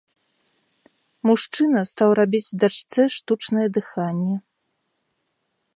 Мужчына стаў рабіць дачцэ штучнае дыханне.